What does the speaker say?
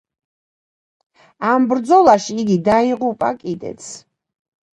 ამ ბრძოლაში იგი დაიღუპა კიდეც.